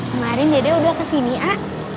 kemarin dede udah kesini a